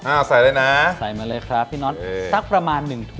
อ้าวใส่เลยนะ